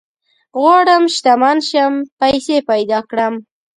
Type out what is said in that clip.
غواړم شتمن شم ، پيسي پيدا کړم